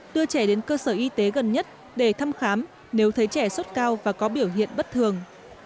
đưa trẻ đến cơ sở y tế gần nhất để thăm khám nếu thấy trẻ sốt cao và có biểu hiện bất thường